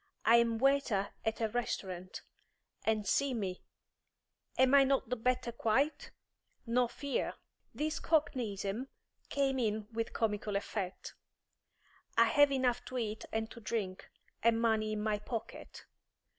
I am waiter at a restaurant. And see me; am I not the better quite? No fear!" This cockneyism came in with comical effect. "I have enough to eat and to drink, and money in my pocket.